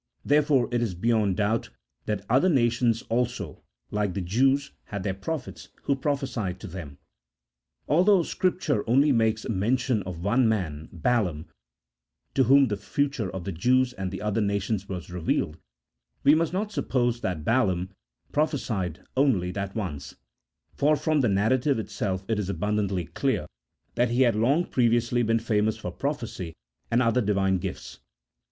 Wherefore it is beyond doubt that other nations also, like the Jews, had their prophets, who prophesied to them. Although Scripture only makes mention of one man, Balaam, to whom the future of the Jews and the other nations was revealed, we must not suppose that Balaam prophesied only that once, for from the narrative itself it is abundantly clear that he had long previously been famous for prophecy and other Divine gifts.